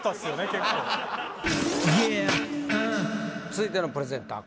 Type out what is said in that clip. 結構続いてのプレゼンター